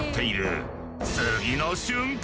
次の瞬間。